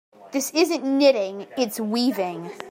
This isn't knitting, its weaving.